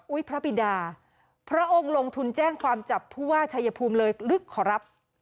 พระบิดาพระองค์ลงทุนแจ้งความจับผู้ว่าชายภูมิเลยลึกขอรับ